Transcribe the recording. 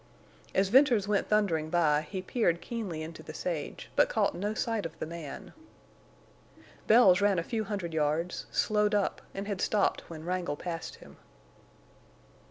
As Venters went thundering by he peered keenly into the sage, but caught no sign of the man. Bells ran a few hundred yards, slowed up, and had stopped when Wrangle passed him.